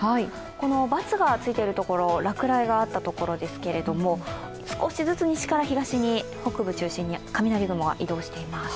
この×がついているところ、落雷があったところですけれども、少しずつ西から東に北部中心に雷雲が移動しています。